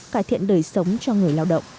cải thiện đời sống cho người lao động